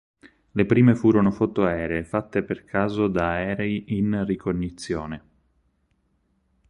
Le prime furono foto aeree fatte per caso da aerei in ricognizione.